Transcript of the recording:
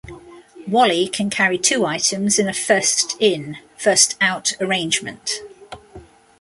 Wally can carry two items in a first in, first out arrangement.